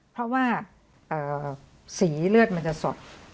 เพราะว่าสีเลือดมันจะสด